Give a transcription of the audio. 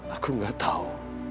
aku gak tahu